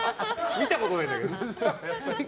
見たことないんだけど。